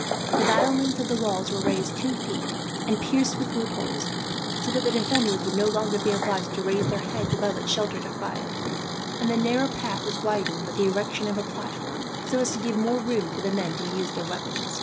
The battlements of the wall were raised two feet and pierced with loopholes, so that the defenders would no longer be obliged to raise their heads above its shelter to fire; and the narrow path was widened by the erection of a platform, so as to give more room for the men to use their weapons.